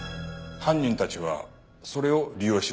犯人たちはそれを利用しようとした。